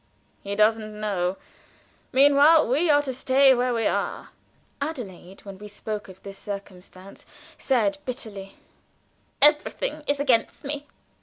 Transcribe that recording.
"He doesn't know. Meanwhile we are to stay where we are." Adelaide, when we spoke of this circumstance, said, bitterly: "Everything is against me!"